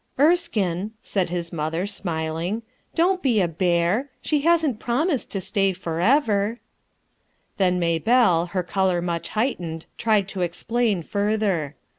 "Erskine," said his mother, smiling^ "don't be a bear ! she hasn't promised to stay forever " Then Maybellc, her eolor much heightened tried to explain further.